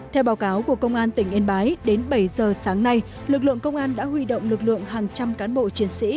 theo báo cáo của công an tỉnh yên bái đến bảy giờ sáng nay lực lượng công an đã huy động lực lượng hàng trăm cán bộ chiến sĩ